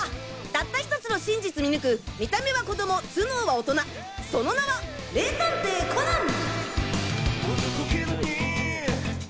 たった１つの真実見抜く見た目は子供頭脳は大人その名は名探偵コナン！